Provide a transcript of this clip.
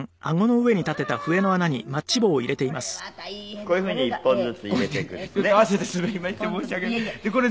こういうふうに１本ずつ入れていくんですね。